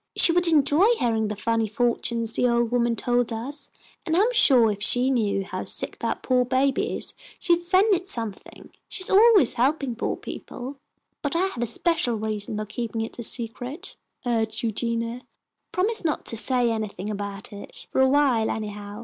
"She would enjoy hearing the funny fortunes the old woman told us, and I'm suah if she knew how sick that poah baby is she'd send it something. She is always helpin' poah people." "But I have a special reason for keeping it a secret," urged Eugenia. "Promise not to say anything about it for awhile anyhow.